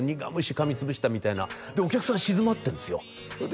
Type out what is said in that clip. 噛み潰したみたいなでお客さん静まってるんですよで